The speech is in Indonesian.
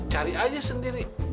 cari saja sendiri